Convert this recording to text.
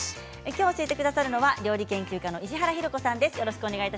きょう教えてくださるのは料理研究家の石原洋子さんです。